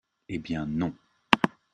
Eh bien non